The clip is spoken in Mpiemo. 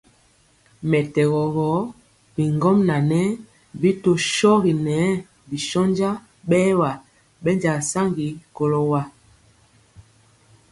Mɛtɛgɔ gɔ, bigɔmŋa ŋɛɛ bi tɔ shogi ŋɛɛ bi shónja bɛɛwa bɛnja saŋgi kɔlo wa.